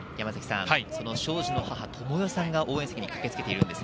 その庄司の母・ともよさんが応援席に駆けつけています。